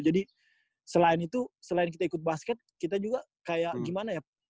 jadi selain itu selain kita ikut basket kita juga kayak gimana ya